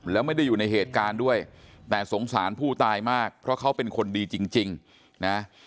แล้วไม่ได้อยู่ในเหตุการณ์ด้วยแต่สงสารผู้ตายมากเพราะเขาเป็นคนดีจริงนะ